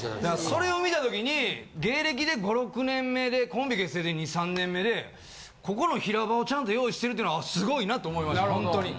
それを見た時に芸歴で５６年目でコンビ結成で２３年目でここの平場をちゃんと用意してるっていうのはすごいなと思いましたほんとに。